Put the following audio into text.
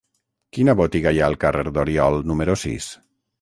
Quina botiga hi ha al carrer d'Oriol número sis?